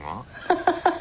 ハハハハ！